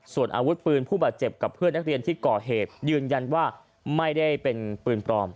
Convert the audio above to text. ส่วนอาวุธปืนผู้บาดเจ็บกับเพื่อนนักเรียนที่ก่อเหตุยืนยันว่าไม่ได้เป็นปืนปลอม